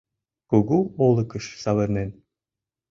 Кугу олыкыш савырнен.